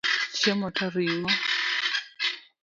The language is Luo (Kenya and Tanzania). Chiemo to ringo.